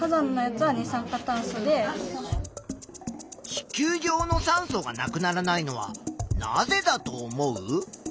地球上の酸素がなくならないのはなぜだと思う？